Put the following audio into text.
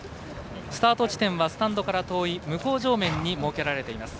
スタート地点はスタンドから遠い向正面に設けられています。